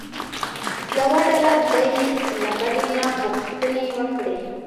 یوه ډله دې له بلې نه پوښتنې وکړي.